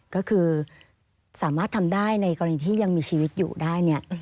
ก็คือสามารถทำได้ในกรณีที่ยังมีชีวิตอยู่ได้เนี่ย